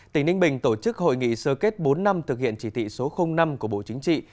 tỉnh ninh bình tổ chức hội nghị sơ kết bốn năm thực hiện chỉ thị số năm của bộ chính trị